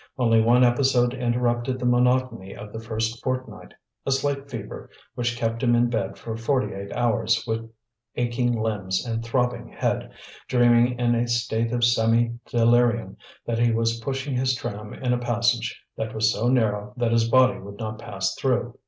Only one episode interrupted the monotony of the first fortnight: a slight fever which kept him in bed for forty eight hours with aching limbs and throbbing head, dreaming in a state of semi delirium that he was pushing his tram in a passage that was so narrow that his body would not pass through.